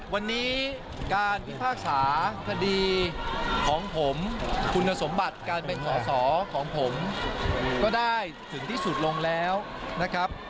วันนี้การพิพากษาคดีของผมคุณสมบัติการเป็นสอสอของผมก็ได้ถึงที่สุดลงแล้วนะครับ